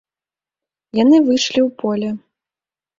Яны выйшлі ў поле.